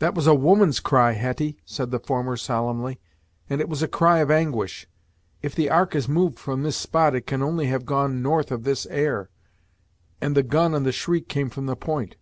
"That was a woman's cry, Hetty," said the former solemnly, "and it was a cry of anguish! If the ark has moved from this spot it can only have gone north with this air, and the gun and shriek came from the point.